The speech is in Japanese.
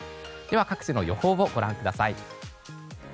各地の予報をご覧ください。